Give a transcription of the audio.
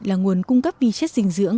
là nguồn cung cấp vi chất dinh dưỡng